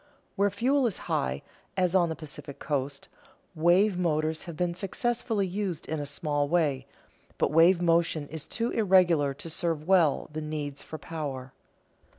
Where fuel is high, as on the Pacific coast, wave motors have been successfully used in a small way, but wave motion is too irregular to serve well the needs for power.